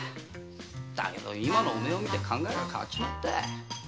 だけど今のお前を見て考えが変わっちまった。